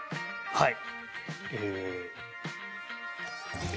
はい。